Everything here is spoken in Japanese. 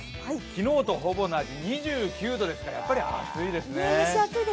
昨日とほぼ同じ２９度ですから暑いですね。